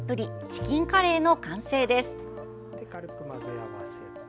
チキンカレーの完成です。